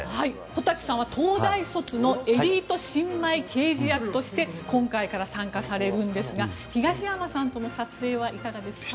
小瀧さんは東大卒のエリート新米刑事役として今回から参加されるんですが東山さんとの撮影はいかがですか。